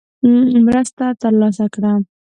مرسته ترلاسه کړه.